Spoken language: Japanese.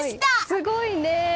すごいね。